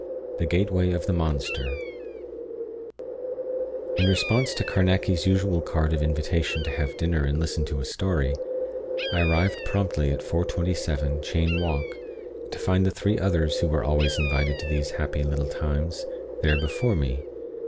1 THE GATEWAY OF THE MONSTER In response to Carnacki's usual card of invitation to have dinner and listen to a story, I arrived promptly at 427, Cheyne Walk, to find the three others who were always invited to these happy little times, there before me.